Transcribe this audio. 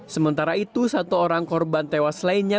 sementara itu satu orang korban tewas lainnya